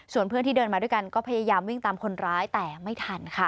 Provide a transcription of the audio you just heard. ส่วนเพื่อนที่เดินมาด้วยกันก็พยายามวิ่งตามคนร้ายแต่ไม่ทันค่ะ